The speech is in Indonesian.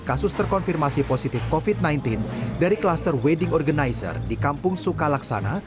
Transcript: kasus terkonfirmasi positif covid sembilan belas dari kluster wedding organizer di kampung suka laksana